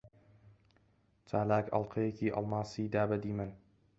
چالاک ئەڵقەیەکی ئەڵماسی دا بە دیمەن.